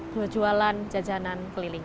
berjualan jajanan keliling